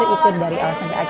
ikut dari al santiak